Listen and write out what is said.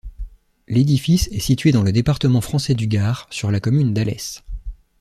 L'édifice est situé dans le département français du Gard, sur la commune d'Alès.